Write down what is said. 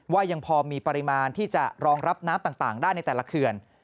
ยังพอมีปริมาณที่จะรองรับน้ำต่างได้ในแต่ละเขื่อน